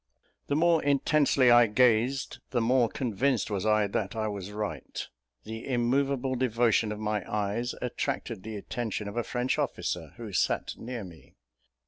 The more intensely I gazed, the more convinced was I that I was right; the immovable devotion of my eyes attracted the attention of a French officer, who sat near me.